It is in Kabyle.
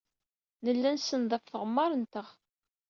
Nella nsenned ɣef tɣemmar-nteɣ.